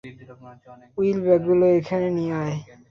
Will, ব্যাগগুলো এখানে নিয়ে আয়।